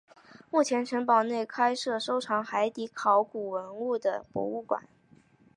目前城堡内开设收藏海底考古文物的博物馆。